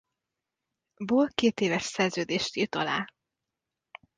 Ball kétéves szerződést írt alá.